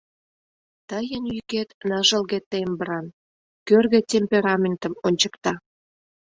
Тыйын йӱкет ныжылге тембран, кӧргӧ темпераментым ончыкта...